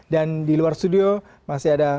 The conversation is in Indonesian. dan di luar studio masih ada